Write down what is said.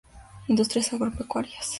Industrias agropecuarias.